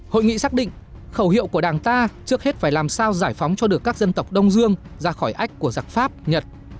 hội nghị xác định khẩu hiệu của đảng ta trước hết phải làm sao giải phóng cho được các dân tộc đông dương ra khỏi ách của giặc pháp nhật